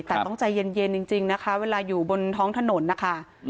แต่ต้องใจเย็นจริงนะคะเวลาอยู่บนท้องถนนนะคะ